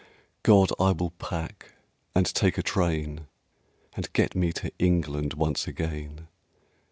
God! I will pack, and take a train, And get me to England once again!